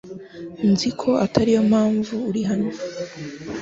Nzi ko atariyo mpamvu uri hano.